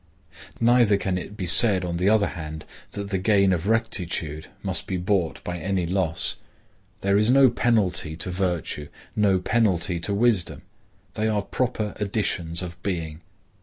Neither can it be said, on the other hand, that the gain of rectitude must be bought by any loss. There is no penalty to virtue; no penalty to wisdom; they are proper additions of being.